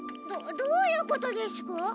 どどういうことですか？